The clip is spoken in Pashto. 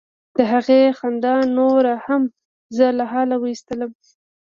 د هغې خندا نوره هم زه له حاله ویستلم.